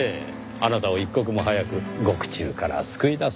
あなたを一刻も早く獄中から救い出そうと。